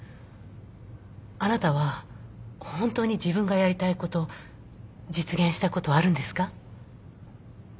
あなたは本当に自分がやりたいこと実現したことはあるんですか？